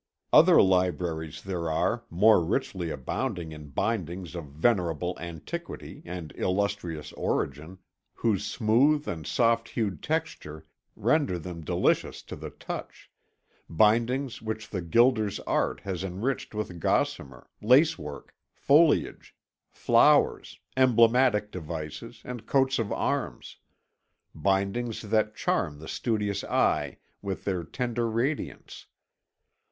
Other libraries there are, more richly abounding in bindings of venerable antiquity and illustrious origin, whose smooth and soft hued texture render them delicious to the touch; bindings which the gilder's art has enriched with gossamer, lace work, foliage, flowers, emblematic devices, and coats of arms; bindings that charm the studious eye with their tender radiance.